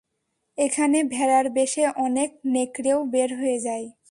এখানে ভেড়ার বেশে অনেক নেকড়েও বের হয়ে যায়।